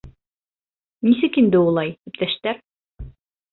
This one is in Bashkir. Нисек инде улай, иптәштәр?